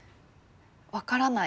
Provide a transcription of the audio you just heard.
分からない